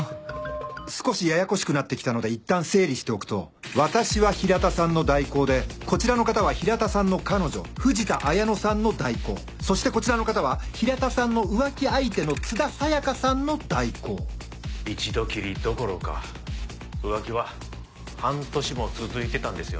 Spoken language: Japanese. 少しややこしくなって来たのでいったん整理しておくと私は平田さんの代行でこちらの方は平田さんの彼女藤田綾乃さんの代行そしてこちらの方は平田さんの浮気相手の津田沙耶香さんの代行一度きりどころか浮気は半年も続いてたんですよね？